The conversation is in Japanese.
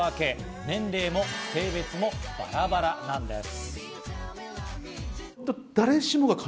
年齢も性別もバラバラなんです。